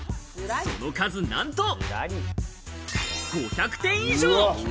その数なんと５００点以上！